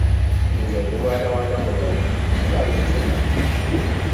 Nze ndi mwana wa Namulondo, tolaba enzina?